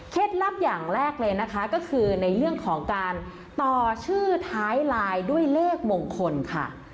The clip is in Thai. ลับอย่างแรกเลยนะคะก็คือในเรื่องของการต่อชื่อท้ายลายด้วยเลขมงคลค่ะ